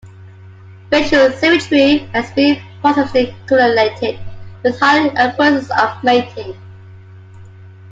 Facial symmetry has been positively correlated with higher occurrences of mating.